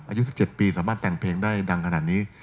อายุ๑๗ปีสามารถแต่งเพลงได้ดังขนาดนี้